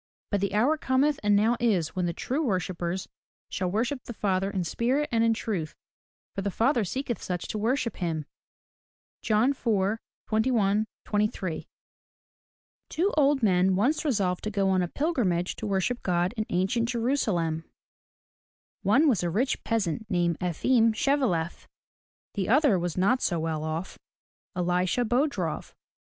But the hour Cometh, and now is, when the true worshippers shall worship the Father in spirit and in truth: for the Father seeketh such to worship him. — John IV, 21, 23. TWO old men once resolved to go on a pilgrimage to worship God in ancient Jerusalem. One was a rich peasant named E'fim Shev'e lef. The other was not so well off — E li'sha Bo'drof.